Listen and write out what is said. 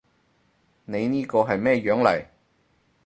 你呢個係咩樣嚟？